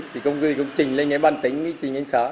thì công ty cũng chỉnh lên cái văn tính chỉnh lên sở